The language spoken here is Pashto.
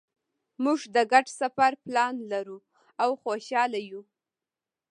مونږ د ګډ سفر پلان لرو او خوشحاله یو